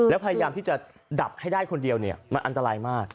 แล้วพยายามที่จะดับให้ได้คนเดียวเนี่ยมันอันตรายมาก